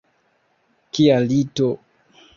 Kia lito!